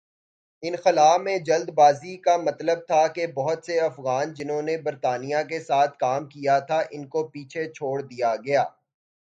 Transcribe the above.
انخلا میں جلد بازی کا مطلب تھا کہ بہت سے افغان جنہوں نے برطانیہ کے ساتھ کام کیا تھا ان کو پیچھے چھوڑ دیا گیا۔